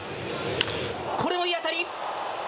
これもいい当たり！